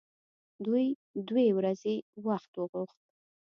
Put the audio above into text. دوی دوې ورځې وخت وغوښت.